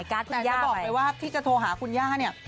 แต่จะบอกเลยว่าที่จะโทรหาคุณย่าเนี่ย